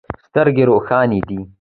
سترګې روښانې دي.